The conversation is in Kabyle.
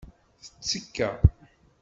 Tettekka.